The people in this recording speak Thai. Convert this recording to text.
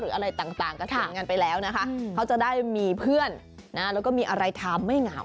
อะไรต่างก็ทิ้งกันไปแล้วนะคะเขาจะได้มีเพื่อนแล้วก็มีอะไรทำไม่เหงา